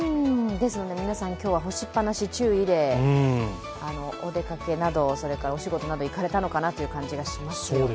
皆さん今日は干しっぱなし注意でお出かけなどそれからお仕事など行かれたのかなという感じがしますね。